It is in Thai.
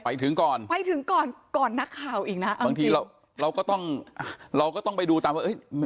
ไปถึงก่อนไปถึงก่อนก่อนนักข่าวอีกนะบางทีเราเราก็ต้องเราก็ต้องไปดูตามว่าเอ้ย